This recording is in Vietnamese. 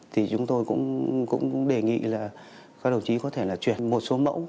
thì chúng tôi cũng đề nghị các đồng chí có thể chuyển một số mẫu